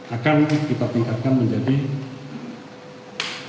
akan kita tingkatkan menjadi